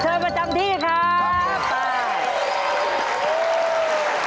เชิญมาจำที่ครับ